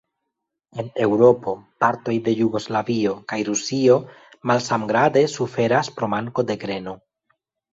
En Eŭropo, partoj de Jugoslavio kaj Rusio malsamgrade suferas pro manko de greno.